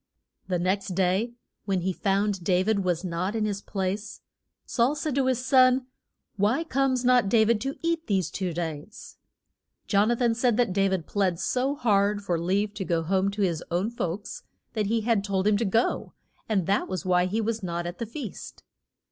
The next day when he found Da vid was not in his place, Saul said to his son, Why comes not Da vid to eat these two days? Jon a than said that Da vid pled so hard for leave to go home to his own folks, that he had told him to go, and that was why he was not at the feast.